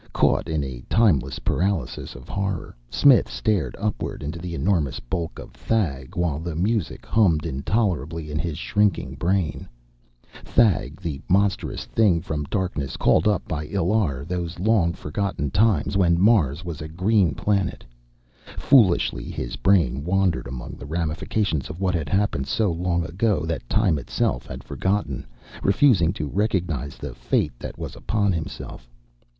Caught in a timeless paralysis of horror, Smith stared upward into the enormous bulk of Thag while the music hummed intolerably in his shrinking brain Thag, the monstrous thing from darkness, called up by Illar in those long forgotten times when Mars was a green planet. Foolishly his brain wandered among the ramifications of what had happened so long ago that time itself had forgotten, refusing to recognize the fate that was upon himself.